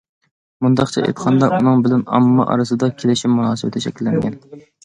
مۇنداقچە ئېيتقاندا، ئۇنىڭ بىلەن ئامما ئارىسىدا كېلىشىم مۇناسىۋىتى شەكىللەنگەن.